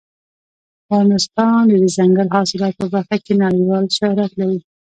افغانستان د دځنګل حاصلات په برخه کې نړیوال شهرت لري.